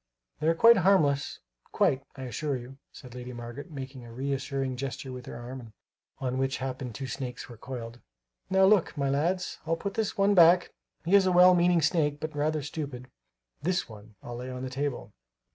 "They are quite harmless, quite, I assure you," said Lady Margaret, making a reassuring gesture with her arm, on which it happened two snakes were coiled. "Now, look, my lads, I'll put this one back; he is a well meaning snake but rather stupid. This one I'll lay on the table."